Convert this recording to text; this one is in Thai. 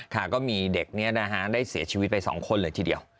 ก็มีเด็กนี้นะฮะได้เสียชีวิตไป๒คนเลยทีเดียว